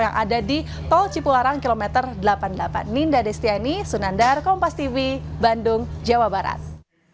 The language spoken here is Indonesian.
yang ada di tol cipularang kilometer delapan puluh delapan ninda destiani sunandar kompas tv bandung jawa barat